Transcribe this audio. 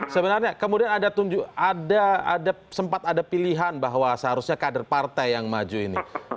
sebenarnya kemudian ada sempat ada pilihan bahwa seharusnya kader partai yang maju ini